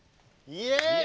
イエイ！